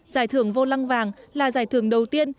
giải thưởng vô lăng vàng là giải thưởng đầu tiên